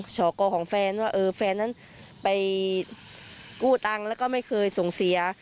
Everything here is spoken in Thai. ชอกอของแฟนว่าแฟนนั้นไปกู้ตังค์แล้วก็ไม่เคยส่งเสีย